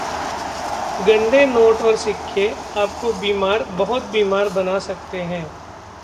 गंदे नोट और सिक्के, आपको बीमार... बहुत बीमार बना सकते हैं!